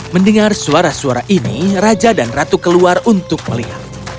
mendengar suara suara ini raja dan ratu keluar untuk melihat